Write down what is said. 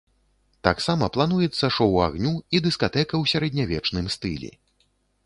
Таксама плануецца шоў агню і дыскатэка ў сярэднявечным стылі.